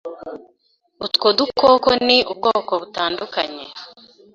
Utwo dukoko ni ubwoko butandukanye.